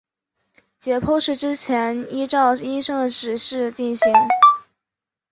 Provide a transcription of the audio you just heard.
解剖是之前依照医生的指示进行。